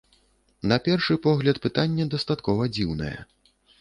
На першы погляд, пытанне дастаткова дзіўнае.